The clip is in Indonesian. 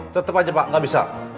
tetep aja pak gak bisa